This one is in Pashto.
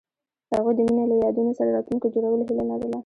هغوی د مینه له یادونو سره راتلونکی جوړولو هیله لرله.